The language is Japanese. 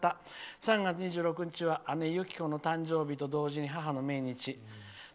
３月２６日は姉ゆきこの誕生日と同時に母の命日。